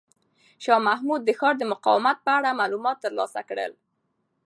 شاه محمود د ښار د مقاومت په اړه معلومات ترلاسه کړل.